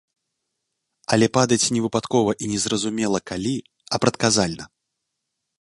Але падаць не выпадкова і незразумела калі, а прадказальна.